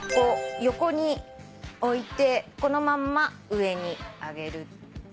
横に置いてこのまんま上に上げるっていう。